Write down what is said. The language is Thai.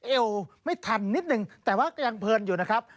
เอวไม่ทันนิดนึงแต่ว่าก็ยังเพลินอยู่นะครับ